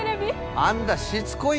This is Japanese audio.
あんだしつこいよ。